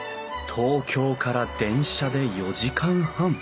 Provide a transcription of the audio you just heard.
東京から電車で４時間半。